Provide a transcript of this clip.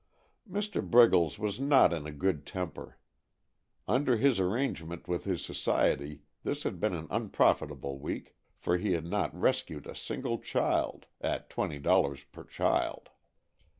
Mr. Briggles was not in a good temper. Under his arrangement with his society this had been an unprofitable week, for he had not "rescued" a single child (at twenty dollars per child).